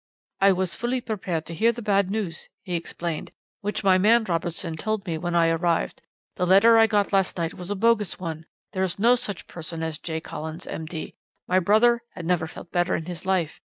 "'I was fully prepared to hear the bad news,' he explained, 'which my man Robertson told me when I arrived. The letter I got last night was a bogus one; there is no such person as J. Collins, M.D. My brother had never felt better in his life.